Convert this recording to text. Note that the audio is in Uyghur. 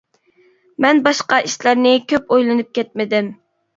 مەن باشقا ئىشلارنى كۆپ ئويلىنىپ كەتمىدىم.